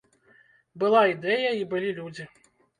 Была ідэя і былі людзі.